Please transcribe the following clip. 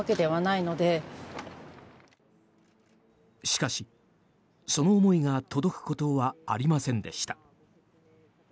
しかし、その思いが届くことはありませんでした。